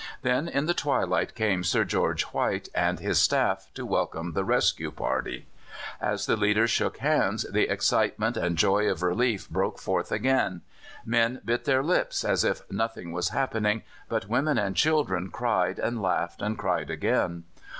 Then in the twilight came Sir George White and his staff to welcome the rescue party. As the leaders shook hands the excitement and joy of relief broke forth again. Men bit their lips as if nothing was happening, but women and children cried and laughed and cried again.